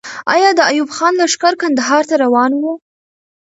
آیا د ایوب خان لښکر کندهار ته روان وو؟